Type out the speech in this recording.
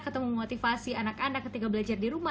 ketemu motivasi anak anak ketika belajar di rumah